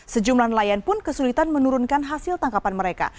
sejumlah nelayan pun kesulitan menurunkan hasil tangkapan mereka